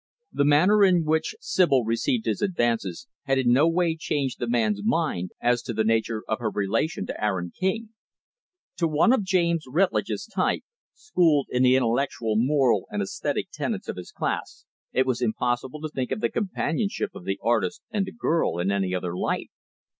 The manner in which Sibyl received his advances had in no way changed the man's mind as to the nature of her relation to Aaron King. To one of James Rutlidge's type, schooled in the intellectual moral and esthetic tenets of his class, it was impossible to think of the companionship of the artist and the girl in any other light.